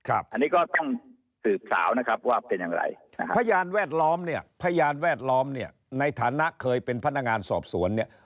อันนี้ก็ต้องสืบสาวนะครับว่าเป็นอย่างไรพยานแวดล้อมเนี่ยพยานแวดล้อมเนี่ยในฐานะเคยเป็นพนักงานสอบสวนเนี่ย